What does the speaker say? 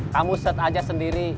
kamu set aja sendiri